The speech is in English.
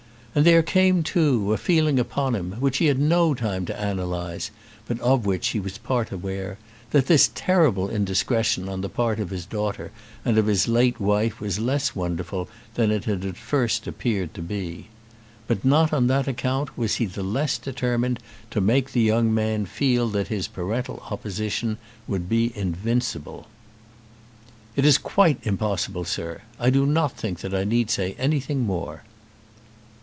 And there came, too, a feeling upon him, which he had no time to analyse, but of which he was part aware, that this terrible indiscretion on the part of his daughter and of his late wife was less wonderful than it had at first appeared to be. But not on that account was he the less determined to make the young man feel that his parental opposition would be invincible. "It is quite impossible, sir. I do not think that I need say anything more."